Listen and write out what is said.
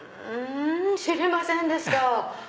知りませんでした。